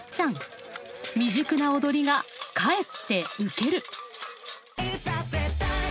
未熟な踊りがかえって受ける。